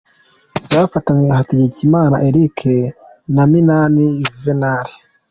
Zafatanywe Hategekimana Eric na Minani Juvenal.